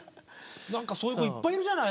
何かそういう子いっぱいいるじゃない。